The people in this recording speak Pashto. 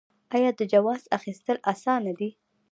آیا د جواز اخیستل اسانه دي؟